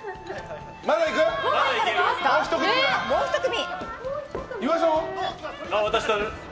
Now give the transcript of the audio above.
もう１組！